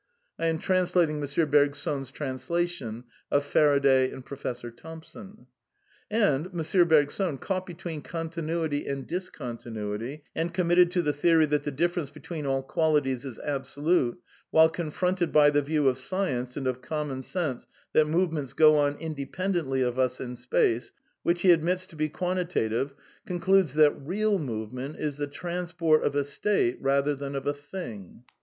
" (I am translating M. Bergson's translation of Faraday and Professor Thompson.) And, M. Bergson, caught between continu ity and discontinuity, and committed to the theory that the difference between all qualities is absolute, while con fronted by the view of science and of common sense that movements go on independently of us in space, which he admits to be quantitative, concludes that " real " move ment is the " transport of a state rather than of a thing (page 225).